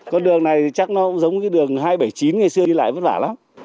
con đường này chắc nó giống cái đường hai trăm bảy mươi chín ngày xưa đi lại vất vả lắm